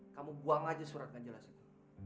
kamu buang aja surat kan jelasin